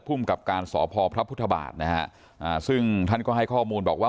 ภูมิกับการสพพระพุทธบาทนะฮะซึ่งท่านก็ให้ข้อมูลบอกว่า